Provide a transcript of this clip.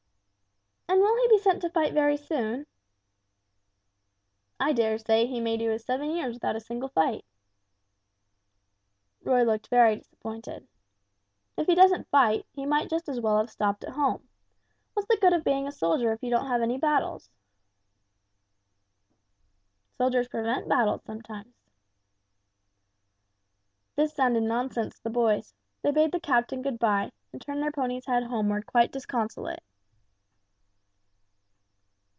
"And will he be sent to fight very soon?" "I dare say he may do his seven years without a single fight!" Roy looked very disappointed. "If he doesn't fight, he might just as well have stopped at home. What's the good of being a soldier if you don't have any battles?" "Soldiers prevent battles, sometimes." This sounded nonsense to the boys. They bade the captain good bye, and turned their pony's head homeward quite disconsolate.